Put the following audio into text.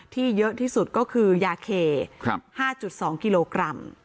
เยอะที่สุดก็คือยาเค๕๒กิโลกรัม